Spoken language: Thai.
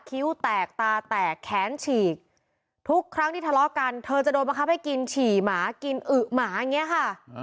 คิ้วแตกตาแตกแขนฉีกทุกครั้งที่ทะเลาะกันเธอจะโดนบังคับให้กินฉี่หมากินอึ๋หมาอย่างนี้ค่ะ